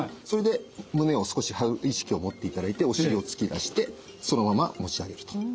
それで胸を少し張る意識を持っていただいてお尻を突き出してそのまま持ち上げると。